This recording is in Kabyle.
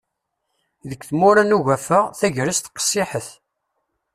Deg tmura n ugafa, tagrest qessiḥet.